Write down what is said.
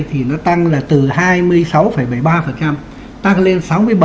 thì nó tăng là từ hai mươi sáu bảy mươi ba tăng lên sáu mươi bảy chín mươi sáu